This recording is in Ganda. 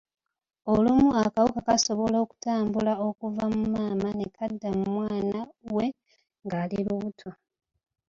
Olumu akawuka kasobola okutambula okuva mu maama ne kadda mu mwana we ng’ali lubuto.